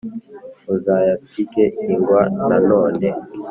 uzayasige ingwa Nanone